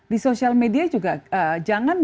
di sosial media juga jangan